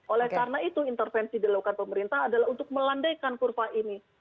oleh karena itu intervensi dilakukan pemerintah adalah untuk melandaikan kurva ini